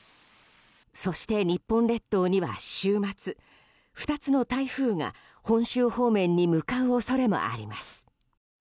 そして、日本列島には週末２つの台風が本州方面に向かう恐れもあります。